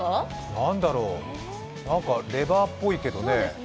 なんだろう、何かレバーっぽいけどね。